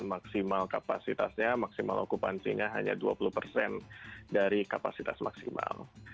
maksimal kapasitasnya maksimal okupansinya hanya dua puluh persen dari kapasitas maksimal